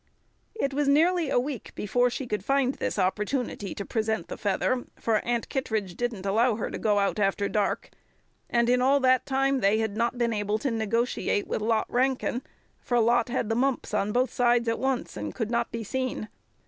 It was nearly a week before she could find this opportunity to present the feather, for Aunt Kittredge didn't allow her to go out after dark; and in all that time they had not been able to negotiate with Lot Rankin, for Lot had the mumps on both sides at once, and could not be seen.